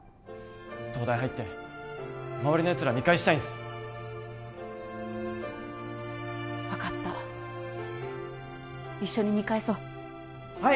東大入って周りのやつら見返したいんす分かった一緒に見返そうはい！